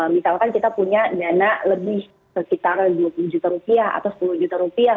misalkan kita punya dana lebih sekitar dua puluh juta rupiah atau sepuluh juta rupiah